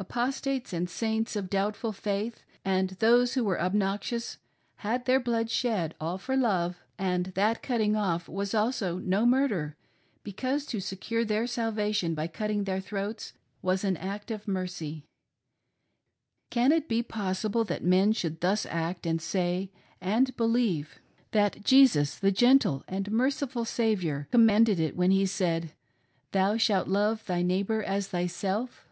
Apostates, and Saints of doubtful faith, and those who were obnoxious, had their blood shed — all for love — and that " cut ting off" was also no murder, because to secure their salvation,, by cutting their throats was an act of mercy. Can it be pos sible that men should thus act and say — and believe — that Jesus, the gentle and merciful Saviour, commanded it when He said : "Thou shalt love thy neighbor as thyself